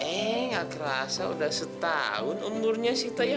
ini gak kerasa udah setahun umurnya sita ya